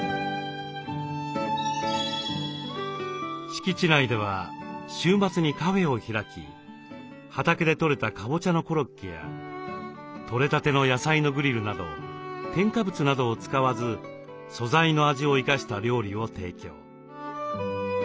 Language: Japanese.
敷地内では週末にカフェを開き畑でとれたカボチャのコロッケやとれたての野菜のグリルなど添加物などを使わず素材の味を生かした料理を提供。